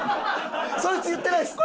そいつ言ってないです！